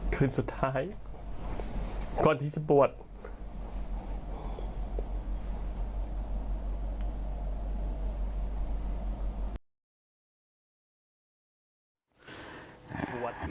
คืนสุดท้ายก่อนที่จะบวช